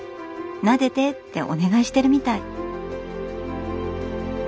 なでてってお願いしてるみたい。